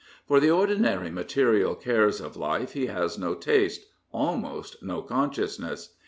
For the ordinary material cares of life he has no taste, almost no consciousness.